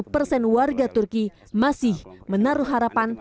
lima puluh satu persen warga turki masih menaruh harapan